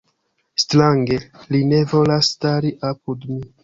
Strange li ne volas stari apud mi.